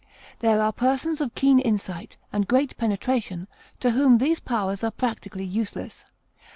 There are persons of keen insight and great penetration to whom these powers are practically useless.